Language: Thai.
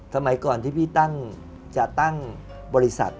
ทำไมก่อนที่พี่จะตั้งบริษัท